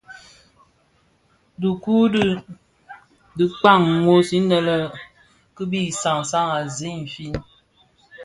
Dhiku u di kpaň wos, inne kibi sansan a zi infin,